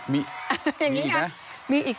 มีมีอีกนะ